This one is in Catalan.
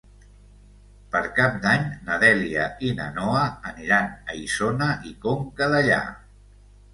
Per Cap d'Any na Dèlia i na Noa aniran a Isona i Conca Dellà.